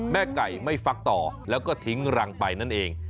แม่ไก่ไม่ฟักต่อแล้วก็ทิ้งรังไปนั่นเอง